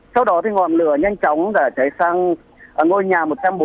sau đó thì ngọn lửa nhanh chóng đã cháy sang ngôi nhà một trăm bốn mươi